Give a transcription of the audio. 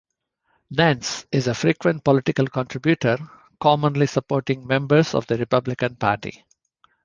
Nantz is a frequent political contributor, commonly supporting members of the Republican Party.